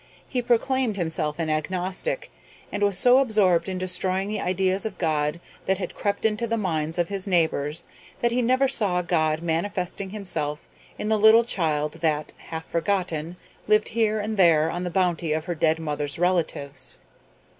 He proclaimed himself an agnostic and was so absorbed in destroying the ideas of God that had crept into the minds of his neighbors that he never saw God manifesting himself in the little child that, half forgotten, lived here and there on the bounty of her dead mother's relatives.